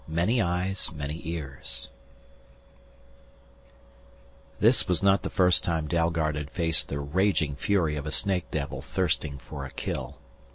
7 MANY EYES, MANY EARS This was not the first time Dalgard had faced the raging fury of a snake devil thirsting for a kill.